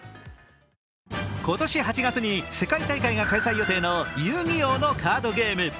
今年８月に世界大会が開催予定の「遊☆戯☆王」のカードゲーム。